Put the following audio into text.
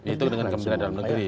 itu dengan kementerian dalam negeri